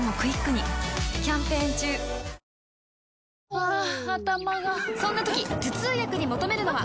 ハァ頭がそんな時頭痛薬に求めるのは？